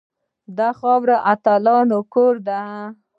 دا خاوره د اتلانو کور دی